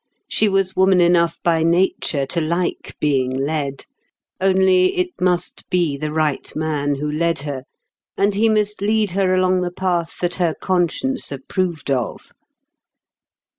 She was woman enough by nature to like being led; only, it must be the right man who led her, and he must lead her along the path that her conscience approved of.